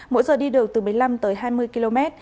mỗi giờ đi được từ một mươi năm tới hai mươi km